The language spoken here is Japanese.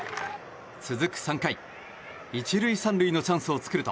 続く３回、１塁３塁のチャンスを作ると。